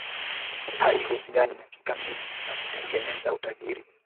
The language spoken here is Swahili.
Haihusiani kikamili na kutengeneza utajiri